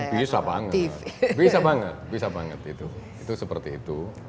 bisa banget bisa banget bisa banget itu seperti itu